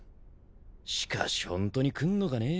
しかしホントに来んのかねぇ。